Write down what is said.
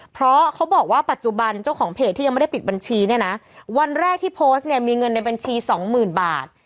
เพราะเขาบอกว่าปัจจุบันเจ้าของเพจที่ยังไม่ได้ปิดบัญชีเนี่ยนะวันแรกที่โพสต์เนี่ยมีเงินในบัญชีสองหมื่นบาท